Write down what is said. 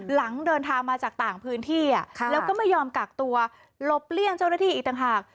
หลังเดินทางมาจากต่างพื้นที่แล้วก็ไม่ยอมกักตัวหลบเลี่ยงเจ้าหน้าที่อีกต่างหาก